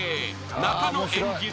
［中野演じる